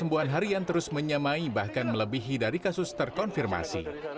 tambuhan harian terus menyemai bahkan melebihi dari kasus terkonfirmasi